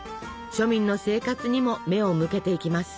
庶民の生活にも目を向けていきます。